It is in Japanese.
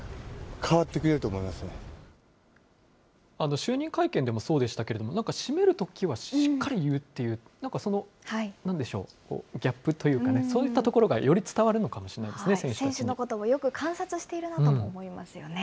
就任会見でもそうでしたけれども、なんか締めるときはしっかり言うっていう、なんかそのなんでしょう、ギャップというか、そういったところがより伝わるのかもしれ選手のこともよく観察しているなと思いますよね。